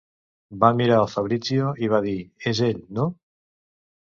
Va mirar el Fabrizio i va dir, és ell, no?